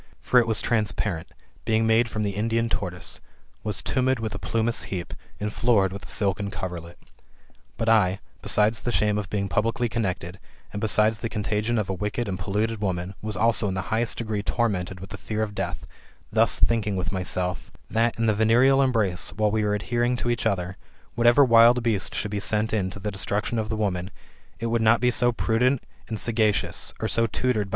For it was transparent, being made from the Indian tortoise, was tumid with a plumous heap, and florid with a silken coverlet. But I, besides the shame of being publicly connected, and besides the contagion of a wicked and polluted woman, was also in the highest degree tormented with the fear of death, thus thinking with myself: that, in the venereal embrace, while we were adhering to each other, whatever wild GOLDEN ASS, OF APULEIUS. — BOOK X.